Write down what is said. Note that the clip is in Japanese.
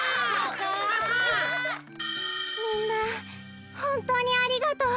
みんなほんとうにありがとう。